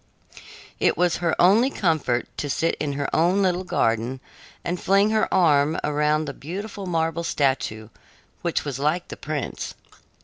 It was her only comfort to sit in her own little garden and fling her arm around the beautiful marble statue, which was like the prince.